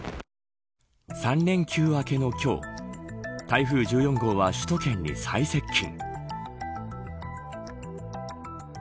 ３連休明けの今日台風１４号は首都圏に最接近。